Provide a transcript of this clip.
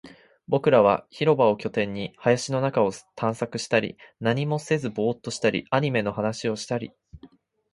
僕らは広場を拠点に、林の中を探索したり、何もせずボーっとしたり、アニメの話をしたり